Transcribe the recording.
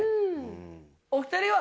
お二人は？